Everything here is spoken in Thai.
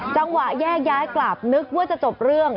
จังหวะแยกย้ายกลับนึกว่าจะจบเรื่อง